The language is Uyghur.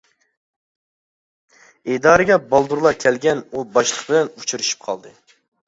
ئىدارىگە بالدۇرلا كەلگەن ئۇ باشلىق بىلەن ئۇچرىشىپ قالدى.